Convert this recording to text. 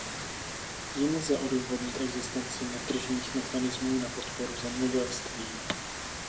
Tím lze odůvodnit existenci netržních mechanismů na podporu zemědělství.